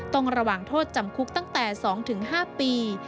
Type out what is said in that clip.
ต้องระวางโทษจำคุกตั้งแต่๒๕ปี